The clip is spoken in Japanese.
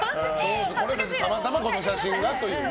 たまたまこの写真がというね。